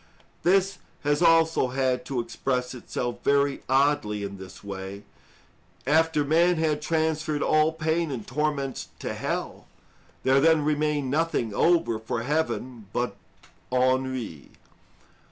This has also had to express itself very oddly in this way; after man had transferred all pain and torments to hell, there then remained nothing over for heaven but ennui.